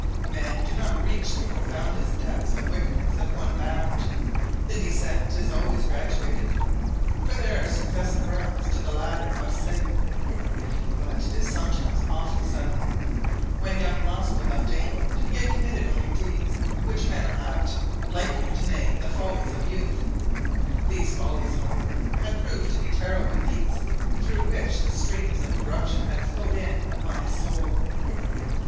Men do not reach the profoundest depths of wickedness at one bound. The descent is always graduated for there are successive rounds to the ladder of sin but it is sometimes awfully sudden. When young Rosco left England he had committed only deeds which men are apt lightly to name the "follies" of youth. These follies, however, had proved to be terrible leaks through which streams of corruption had flowed in upon his soul.